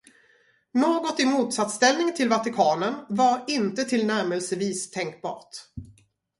Något i motsatsställning till Vatikanen var inte tillnärmelsevis tänkbart.